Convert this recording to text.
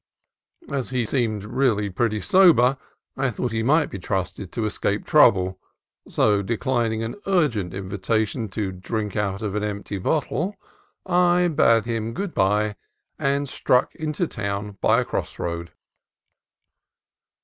As he seemed really pretty sober, I thought he might be trusted to escape trouble ; so, declining an urgent invitation to drink out of an empty bottle, I bade him good bye and struck into town by a cross road.